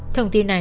thông tin này